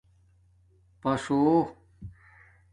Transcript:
پاݽݸ